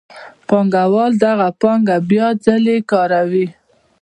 پانګوال دغه پانګه بیا ځلي کاروي